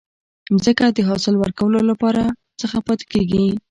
ځمکه د حاصل ورکولو څخه پاتي کیږي.